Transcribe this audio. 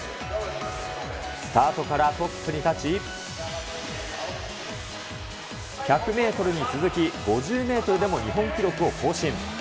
スタートからトップに立ち、１００メートルに続き、５０メートルでも日本記録を更新。